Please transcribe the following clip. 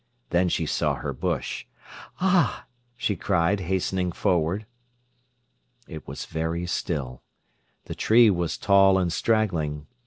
Then she saw her bush. "Ah!" she cried, hastening forward. It was very still. The tree was tall and straggling.